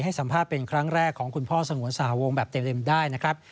ให้สัมภาษณ์เป็นครั้งแรกของคุณพ่อสงวนสหวงแบบเต็มได้นะครับ